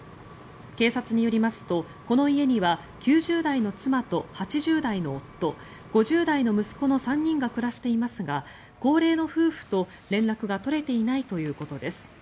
警察によりますと、この家には９０代の妻と８０代の夫５０代の息子の３人が暮らしていますが高齢の夫婦と連絡が取れていないということです。